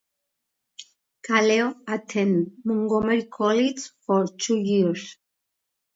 Kaleo attended Montgomery College for two years.